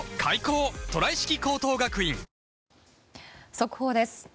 速報です。